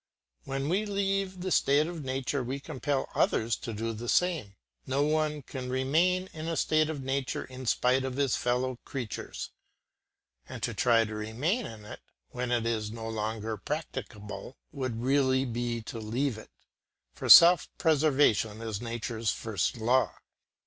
When we leave the state of nature we compel others to do the same; no one can remain in a state of nature in spite of his fellow creatures, and to try to remain in it when it is no longer practicable, would really be to leave it, for self preservation is nature's first law.